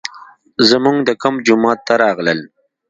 زموږ د کمپ جومات ته راغلل.